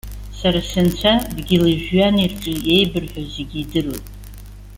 Сара сынцәа, дгьыли жәҩани рҿы иеибырҳәо зегьы идыруеит.